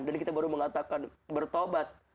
dan kita baru mengatakan bertobat